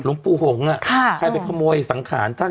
หลุงปู้หงฮะค่ะใครไปขะโมยสังขาญท่าน